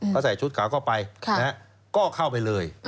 เขาใส่ชุดขาวเข้าไปก็เข้าไปเลย